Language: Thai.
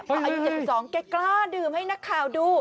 อายุ๗๒แกกล้าดื่มให้นักข่าวดู